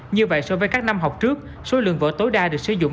như vậy so với các năm học trước số lượng vở tối đa được sử dụng